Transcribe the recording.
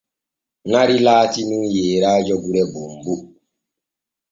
Nari laati nun yeeraajo gure bonbo.